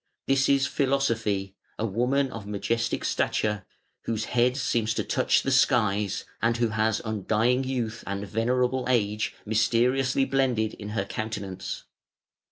This is Philosophy, a woman of majestic stature, whose head seems to touch the skies, and who has undying youth and venerable age mysteriously blended in her countenance.